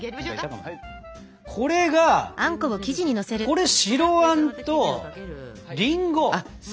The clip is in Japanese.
これがこれ白あんとりんごあん。